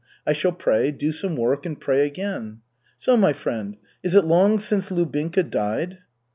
I shall pray, do some work and pray again. So, my friend. Is it long since Lubinka died?"